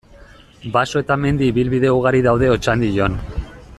Baso eta mendi ibilbide ugari daude Otxandion.